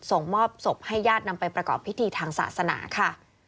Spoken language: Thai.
ส่งมอบศพให้ญาตินำไปประกอบพิธีทางศาสนาค่ะ